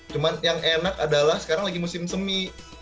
cuma yang enak adalah sekarang lagi musim semi